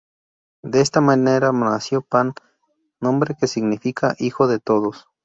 De esta manera, nació Pan, nombre que significa "hijo de todos".